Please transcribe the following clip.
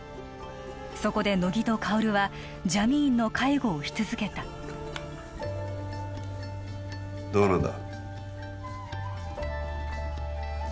そこで乃木と薫はジャミーンの介護をし続けたどうなんだ？